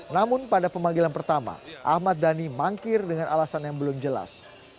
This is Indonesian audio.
namun pada pemanggilan pertama ahmad dhani mangkir dengan alasan yang belum jelas